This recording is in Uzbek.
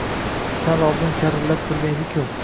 Sal oldin karillab turgan ediku